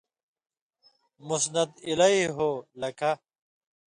مُسند الیہ ہو لکھہ